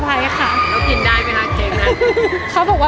มีคล้อนสุขมากค่ะ